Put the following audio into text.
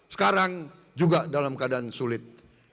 sekarang juga dalam keadaan sulit